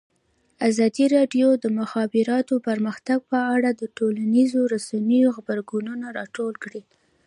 ازادي راډیو د د مخابراتو پرمختګ په اړه د ټولنیزو رسنیو غبرګونونه راټول کړي.